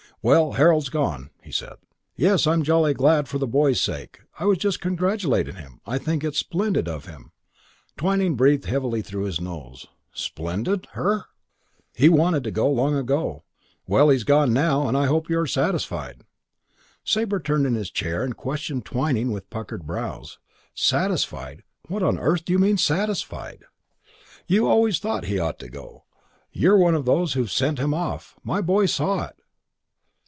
"Well, Harold's gone," he said. "Yes, I'm jolly glad for the boy's sake. I was just congratulating him. I think it's splendid of him." Twyning breathed heavily through his nose. "Splendid? Hur! He wanted to go long ago. Well, he's gone now and I hope you're satisfied." Sabre turned in his chair and questioned Twyning with puckered brows. "Satisfied? What on earth do you mean satisfied?" "You always thought he ought to go. You're one of those who've sent him off. My boy saw it."